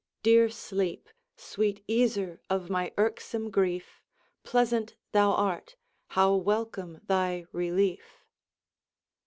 Dear sleep, sweet easer of my irksome grief, Pleasant thou art ! how welcome tliy relief!